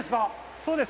そうです。